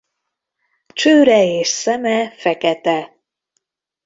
Csőre és szeme fekete.